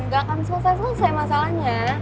gak akan selesai selesai masalahnya